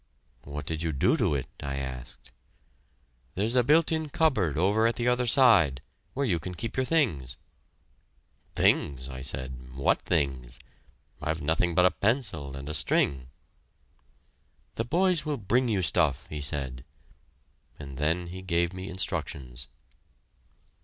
"What did you do to it?" I asked. "There's a built in cupboard over at the other side, where you can keep your things!" "Things!" I said "what things? I've nothing but a pencil and a string." "The boys will bring you stuff," he said; and then he gave me instructions.